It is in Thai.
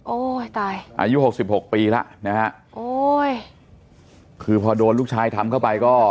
โอ้ยตายอายุหกสิบหกปีแล้วนะฮะโอ้ยคือพอโดนลูกชายทำเข้าไปก็